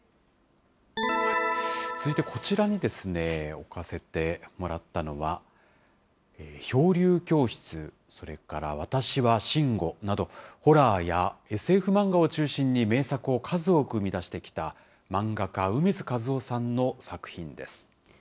続いて、こちらにですね、置かせてもらったのは、漂流教室、それからわたしは真悟など、ホラーやＳＦ漫画を中心に名作を数多く生み出してきた漫画家、楳図かずおさんの作品です。